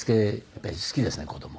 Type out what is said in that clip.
やっぱり好きですね子供。